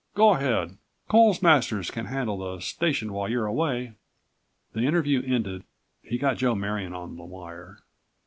Go ahead. Coles Masters can handle the station while you are away." The interview ended, he got Joe Marion on the wire.